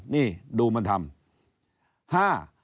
นี่ดูมันทำ